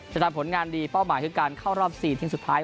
จะทำผลงานดีเป้าหมายคือการเข้ารอบ๔ทีมสุดท้าย